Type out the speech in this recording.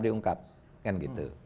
diungkap kan gitu